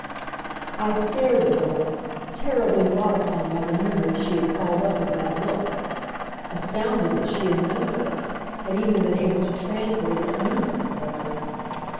I stared at her, terribly wrought upon by the memory she had called up of that look; astounded that she had known of it, had even been able to translate its meaning for me.